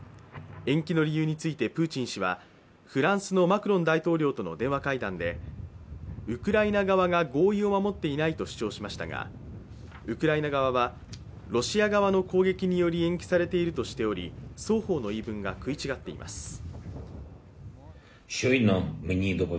延期の理由についてプーチン氏はフランスのマクロン大統領との電話会談でウクライナ側が合意を守っていないと主張しましたが、ウクライナ側は、ロシア側の攻撃により延期されているとしており双方の言い分が食い違っています。